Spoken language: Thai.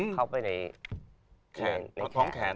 เข้าไปในแขน